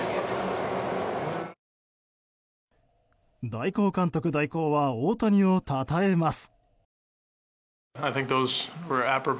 代行監督代行は大谷をたたえます。